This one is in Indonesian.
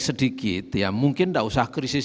sedikit ya mungkin tidak usah krisis